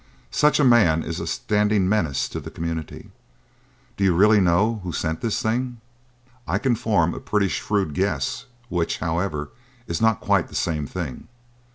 Such a man is a standing menace to the community. Do you really know who sent this thing?" "I can form a pretty shrewd guess, which, however, is not quite the same thing.